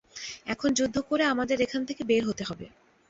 এখন যুদ্ধ করে আমাদের এখান থেকে বের হতে হবে।